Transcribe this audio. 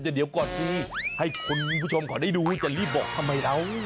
เดี๋ยวก่อนสิให้คุณผู้ชมเขาได้ดูจะรีบบอกทำไมเรา